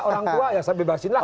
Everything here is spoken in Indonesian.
orang tua ya saya bebasin lah